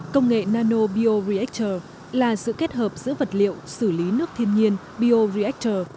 công nghệ nano bio reactor là sự kết hợp giữa vật liệu xử lý nước thiên nhiên bio reactor